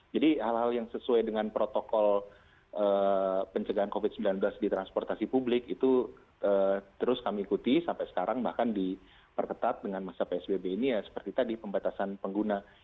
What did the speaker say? jadi hal hal yang sesuai dengan protokol pencegahan covid sembilan belas di transportasi publik itu terus kami ikuti sampai sekarang bahkan diperketat dengan masa psbb ini ya seperti tadi pembatasan pengguna